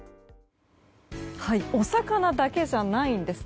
お魚だけじゃないんです。